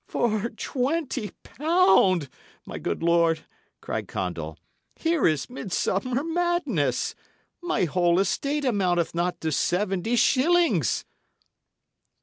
"For twenty pound, my good lord!" cried Condall. "Here is midsummer madness! My whole estate amounteth not to seventy shillings."